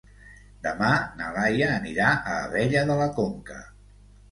Demà na Laia anirà a Abella de la Conca.